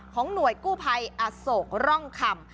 ของหน่วยกู้ไพอสกร่องคำ